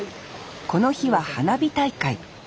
この日は花火大会。